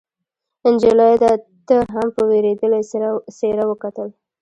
نجلۍ ده ته هم په وېرېدلې څېره وکتل.